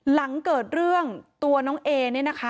หลังเกิดเรื่องตัวน้องเอเนี่ยนะคะ